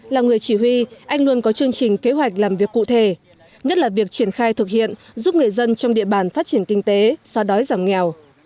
là người chỉ huy anh luôn có chương trình kế hoạch làm việc cụ thể nhất là việc triển khai thực hiện giúp người dân trong địa bàn phát triển kinh tế xóa đói giảm nghèo